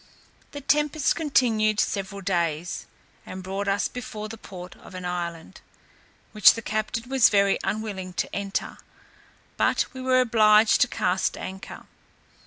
The tempest continued several days, and brought us before the port of an island, which the captain was very unwilling to enter; but we were obliged to cast anchor.